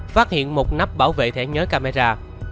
phát hiện một nắp bảo vệ thẻ nhớ camera